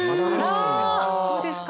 あらそうですか。